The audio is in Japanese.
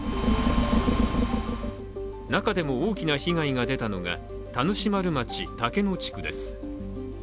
中でも大きな被害が出たのが田主丸町竹野地区です。